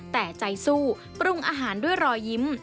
แต่ใจสู้ปรุงอาหารด้วยรอยยิ้ม